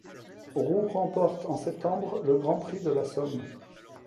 Roux remporte en septembre le Grand Prix de la Somme.